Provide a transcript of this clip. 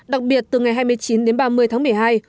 đặc biệt từ ngày hai mươi chín đến ba mươi tháng một mươi hai